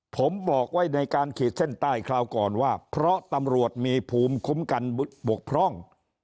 ผมบอกไว้ในการขีดเส้นใต้คราวก่อนว่าเพราะตำรวจมีภูมิคุ้มกันบกพร่อง